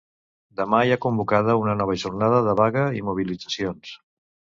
Demà hi ha convocada una nova jornada de vaga i mobilitzacions.